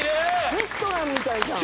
レストランみたいじゃん。